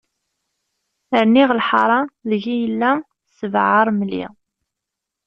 Rniɣ lḥara, deg i yella sbeɛ aṛemli.